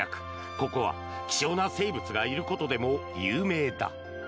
ここは希少な生物がいることでも有名だ。